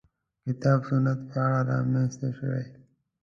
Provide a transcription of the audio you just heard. کتاب سنت په اړه رامنځته شوې.